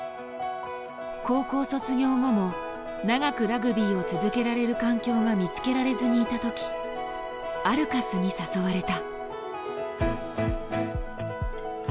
高校卒業後も長くラグビーを続けられる環境が見つけられずにいた時アルカスに誘われた。